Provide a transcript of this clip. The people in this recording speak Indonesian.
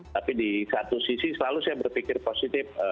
tapi di satu sisi selalu saya berpikir positif